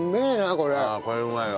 これうまいわ。